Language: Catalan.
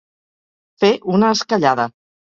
Fer una esquellada.